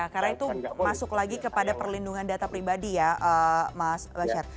karena itu masuk lagi kepada perlindungan data pribadi ya mas basyar